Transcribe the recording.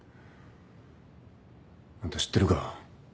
あんた知ってるか？